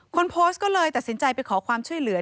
คนโพสต์ก็เลยตัดสินใจไปขอความช่วยเหลือ